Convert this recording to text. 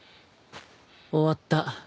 終わった。